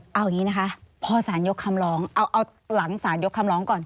เอาอย่างนี้นะคะพอสารยกคำร้องเอาหลังสารยกคำร้องก่อน